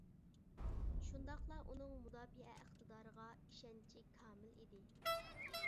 شۇنداقلا ئۇنىڭ مۇداپىئە ئىقتىدارىغا ئىشەنچى كامىل ئىدى.